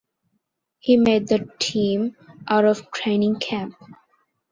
He made the team out of training camp.